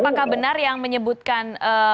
apakah benar yang menyebutkan